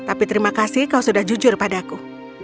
tapi terima kasih kau sudah jujur padaku